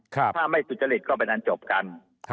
ถ้าไม่สุจริตก็เป็นอันจบกัน